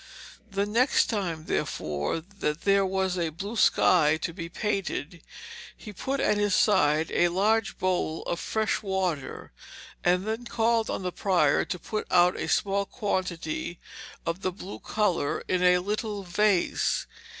The next time therefore that there was a blue sky to be painted, he put at his side a large bowl of fresh water, and then called on the prior to put out a small quantity of the blue colour in a little vase.